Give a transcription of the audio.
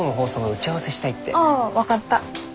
ああ分かった。